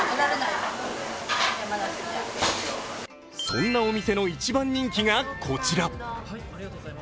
そんなお店の一番人気がこちら。